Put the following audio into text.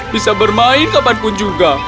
bisa bermain kapanpun juga